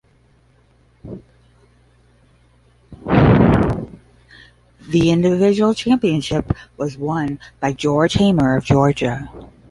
The individual championship was won by George Hamer of Georgia.